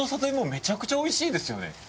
めちゃくちゃおいしいですよね。